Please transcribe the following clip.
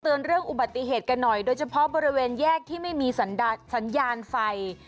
เรื่องอุบัติเหตุกันหน่อยโดยเฉพาะบริเวณแยกที่ไม่มีสัญญาณไฟ